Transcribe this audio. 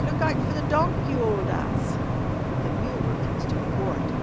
"Look out for the donk, you ole ass." But the mule refused to be warned.